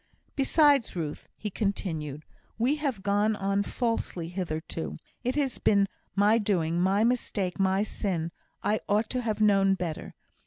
"Besides, Ruth," he continued, "we have gone on falsely hitherto. It has been my doing, my mistake, my sin. I ought to have known better.